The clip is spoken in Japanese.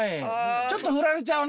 ちょっとフラれちゃうね